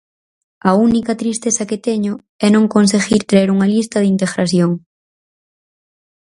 A única tristeza que teño é non conseguir traer unha lista de integración.